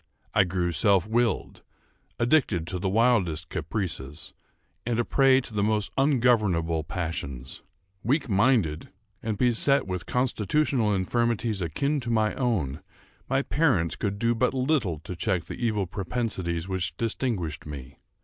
I grew self willed, addicted to the wildest caprices, and a prey to the most ungovernable passions. Weak minded, and beset with constitutional infirmities akin to my own, my parents could do but little to check the evil propensities which distinguished me.